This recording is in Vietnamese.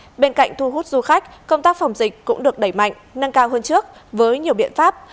đặc biệt là lĩnh vực du lịch bên cạnh thu hút du khách công tác phòng dịch cũng được đẩy mạnh nâng cao hơn trước với nhiều biện pháp